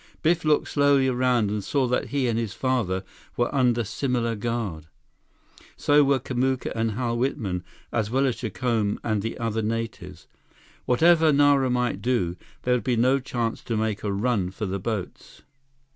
Biff looked slowly around and saw that he and his father were under similar guard. So were Kamuka and Hal Whitman, as well as Jacome and the other natives. Whatever Nara might do, there would be no chance to make a run for the boats.